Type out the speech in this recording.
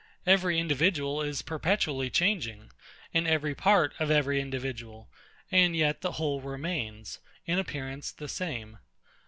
Every individual is perpetually changing, and every part of every individual; and yet the whole remains, in appearance, the same.